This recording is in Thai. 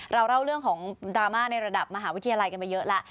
เราเล่าเรื่องของดราม่าในระดับมหาวิทยาลัยกันมาเยอะแล้ว